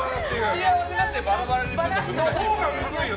打ち合わせなしでバラバラにするの難しいよ。